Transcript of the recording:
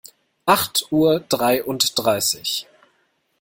Acht Uhr dreiunddreißig.